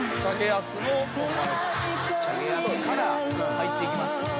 チャゲアスから入っていきます。